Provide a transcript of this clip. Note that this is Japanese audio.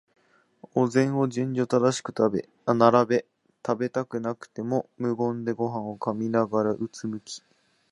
お膳を順序正しく並べ、食べたくなくても無言でごはんを噛みながら、うつむき、